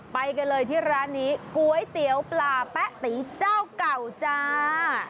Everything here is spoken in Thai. ไปกันเลยที่ร้านนี้ก๋วยเตี๋ยวปลาแป๊ะตีเจ้าเก่าจ้า